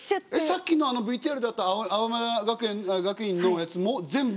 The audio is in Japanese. さっきのＶＴＲだと青山学院のやつも全部。